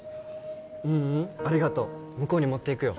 ううんありがとう向こうに持っていくよ